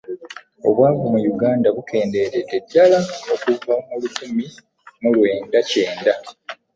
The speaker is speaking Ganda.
Obwavu mu Uganda bukendeeredde ddala okuva mu lukumi mu lwenda kyenda.